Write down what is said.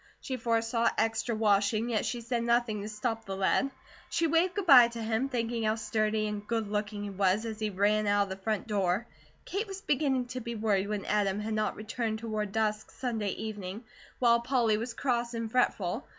She foresaw extra washing, yet she said nothing to stop the lad. She waved good bye to him, thinking how sturdy and good looking he was, as he ran out of the front door. Kate was beginning to be worried when Adam had not returned toward dusk Sunday evening, and Polly was cross and fretful.